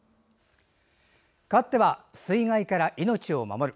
かわっては「水害から命を守る」。